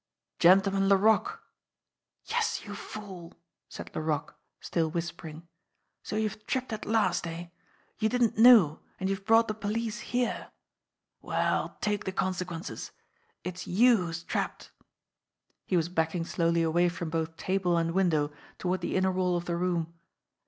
"Gentleman Laroque!" "Yes, you fool!" said Laroque, still whispering. "So you've tripped at last, eh? You didn't know, and you've brought the police here. Well, take the consequences! It's you who's trapped !" He was backing slowly away from both table and window toward the inner wall of the room.